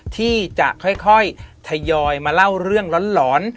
ที่จะค่อยทยอยมาเล่าเรื่องหลอน